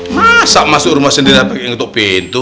masa masuk rumah sendiri